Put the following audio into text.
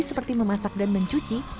seperti memasak dan mencuci